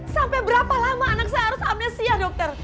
sampai berapa lama anak saya harus amnesia dokter